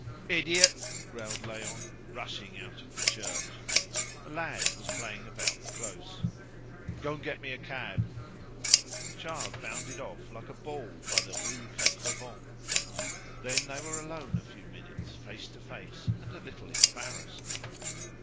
"Idiot!" growled Léon, rushing out of the church. A lad was playing about the close. "Go and get me a cab!" The child bounded off like a ball by the Rue Quatre Vents; then they were alone a few minutes, face to face, and a little embarrassed.